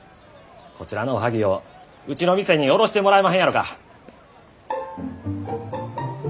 こちらのおはぎをうちの店に卸してもらえまへんやろか。